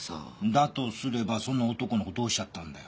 だとすればその男の子どうしちゃったんだよ？